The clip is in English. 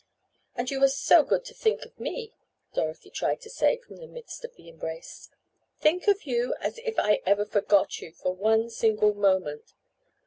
"And you were so good to think of me," Dorothy tried to say, from the midst of the embrace. "Think of you! As if I ever forgot you for one single moment!"